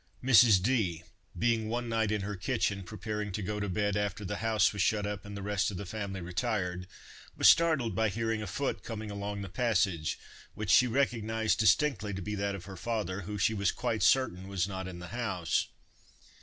Mrs. D——, being one night in her kitchen, preparing to go to bed, after the house was shut up and the rest of the family retired, was startled by hearing a foot coming along the passage, which she recognised distinctly to be that of her father, who she was quite certain was not in the house.